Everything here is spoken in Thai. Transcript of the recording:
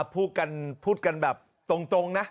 พูดกันแบบตรงนะ